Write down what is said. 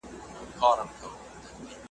لمن له کاڼو ډکه وړي اسمان په باور نه دی `